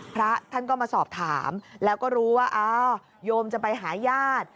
พระท่านก็มาสอบถามแล้วก็รู้ว่าอ้าวโยมจะไปหาญาติ